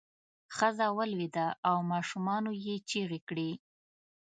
ښځه ولویده او ماشومانو یې چغې کړې.